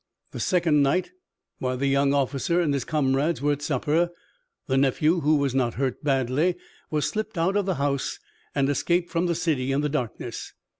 The second night, while the young officer and his comrades were at supper, the nephew, who was not hurt badly, was slipped out of the house and escaped from the city in the darkness.